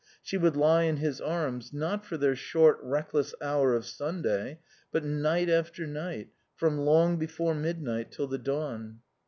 She would lie in his arms, not for their short, reckless hour of Sunday, but night after night, from long before midnight till the dawn.